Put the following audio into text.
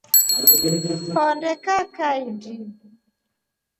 Honde kaa kahindu.